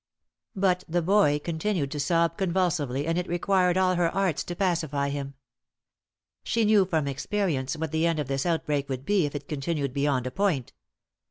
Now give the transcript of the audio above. But the boy continued to sob convulsively, and it required all her arts to pacify him. She knew from experience what the end of this outbreak would be if it continued beyond a point.